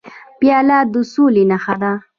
پیاله د سولې نښه ده.